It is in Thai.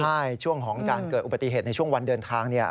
ใช่ช่วงของการเกิดอุบัติเหตุในช่วงวันเดินทาง